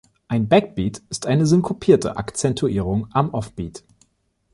Ein Backbeat ist eine synkopierte Akzentuierung am Offbeat.